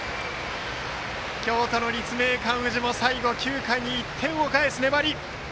京都の立命館宇治も最後、９回に１点を返す粘り。